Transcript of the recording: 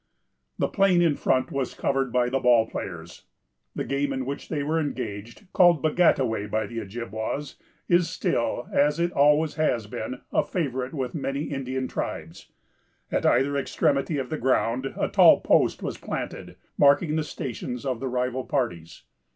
The plain in front was covered by the ball players. The game in which they were engaged, called baggattaway by the Ojibwas, is still, as it always has been, a favorite with many Indian tribes. At either extremity of the ground, a tall post was planted, marking the stations of the rival parties.